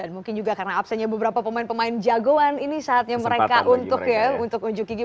dan mungkin juga karena absennya beberapa pemain pemain jagoan ini saatnya mereka untuk menunjukkannya